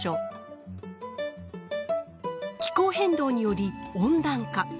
気候変動により温暖化。